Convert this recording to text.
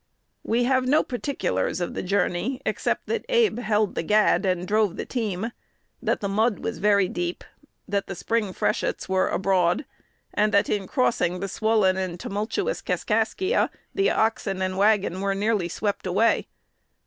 We have no particulars of the journey, except that Abe held the "gad," and drove the team; that the mud was very deep, that the spring freshets were abroad, and that in crossing the swollen and tumultuous Kaskaskia, the wagon and oxen were nearly swept away.